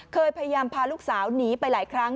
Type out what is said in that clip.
พยายามพาลูกสาวหนีไปหลายครั้ง